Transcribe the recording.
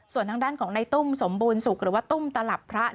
ส่วนทางด้านของในตุ้มสมบูรณสุขหรือว่าตุ้มตลับพระ